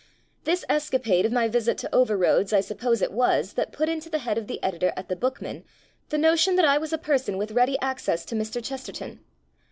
This escapade of my visit to Over roads I suppose it was that put into the head of the editor of The Book man the notion that I was a person with ready access to Mr. Chesterton.